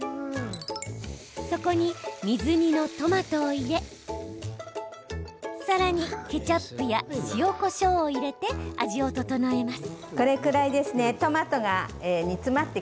そこに水煮のトマトを入れさらにケチャップや塩、こしょうを入れて味を調えます。